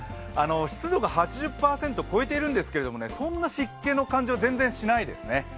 湿度が８０％を超えてるんですけどね、そんな湿気の感じは全然しないですね。